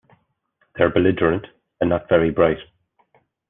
They are belligerent and not very bright.